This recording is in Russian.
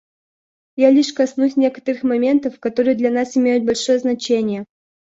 Я лишь коснусь некоторых моментов, которые для нас имеют большое значение.